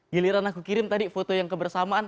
giliran aku kirim tadi foto yang kebersamaan